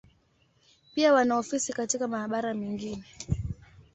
Pia wana ofisi katika mabara mengine.